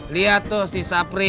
lihat tuh si sapri